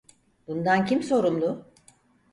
Bundan kim sorumlu?